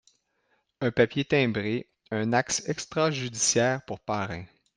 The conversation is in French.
Un papier timbré, un acte extra-judiciaire pour parrain.